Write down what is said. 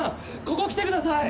ここ来てください！